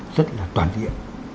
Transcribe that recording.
rất là toàn diện